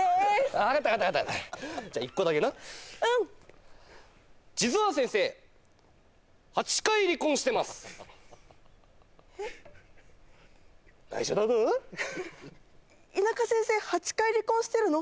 わかったわかったわかったじゃあ１個だけなうん実は先生えっ内緒だぞ田舎先生８回離婚してるの？